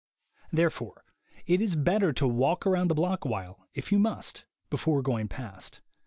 Therefore it is better to walk around the block a while, if you must, before going past.